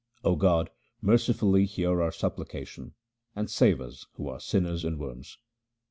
O God, mercifully hear our supplication, and save us who are sinners and worms